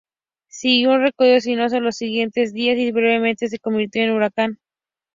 Siguió un recorrido sinuoso los siguientes días, y brevemente se convirtió en huracán.